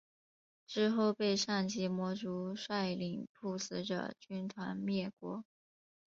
之后被上级魔族率领不死者军团灭国。